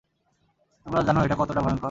তোমরা জানো এটা কতটা ভয়ংকর?